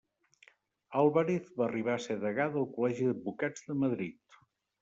Álvarez va arribar a ser degà del Col·legi d'Advocats de Madrid.